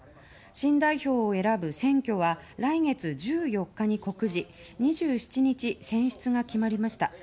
新代表を選ぶ選挙は来月１４日に告示２７日選出が決まりました。